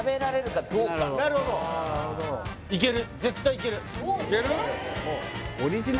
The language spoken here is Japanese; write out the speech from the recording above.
いける？